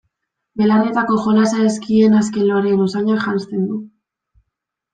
Belarrietako jolasa ezkien azken loreen usainak janzten du.